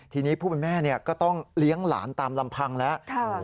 ทีนี้ผู้เป็นแม่ก็ต้องเลี้ยงหลานตามลำพังแล้ว